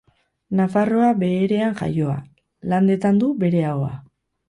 Nafarroa Beherean jaioa, Landetan du bere ahoa.